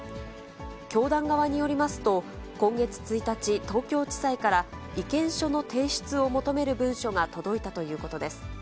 教団側によりますと、今月１日、東京地裁から意見書の提出を求める文書が届いたということです。